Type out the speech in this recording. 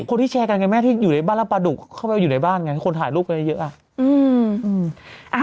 คนที่แชร์กันไงแม่ที่อยู่ในบ้านรับปลาดุกเข้าไปอยู่ในบ้านไงคนถ่ายรูปกันเยอะอ่ะ